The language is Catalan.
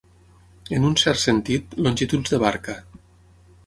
En un cert sentit, longituds de barca.